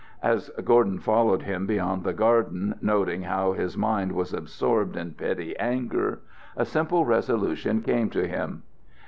As Gordon followed him beyond the garden, noting how his mind was absorbed in petty anger, a simple resolution came to him.